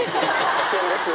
危険ですよ。